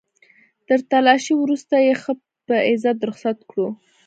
تر تلاشۍ وروسته يې ښه په عزت رخصت کړو.